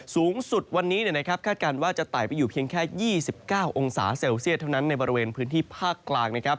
สูงสุดวันนี้คาดการณ์ว่าจะไต่ไปอยู่เพียงแค่๒๙องศาเซลเซียตเท่านั้นในบริเวณพื้นที่ภาคกลางนะครับ